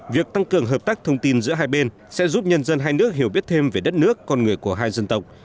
việc tăng cường hợp tác thông tin giữa hai bên sẽ giúp nhân dân hai nước hiểu biết thêm về đất nước con người của hai dân tộc